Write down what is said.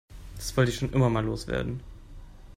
Das wollte ich schon immer mal loswerden.